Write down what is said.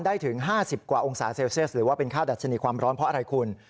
ถึง๕๐กว่าองศาเซลเซียสหรือว่าเป็นค่าดัชนีความร้อนเพราะอะไรคุณ